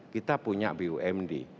kita punya bumd